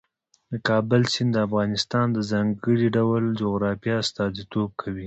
د کابل سیند د افغانستان د ځانګړي ډول جغرافیه استازیتوب کوي.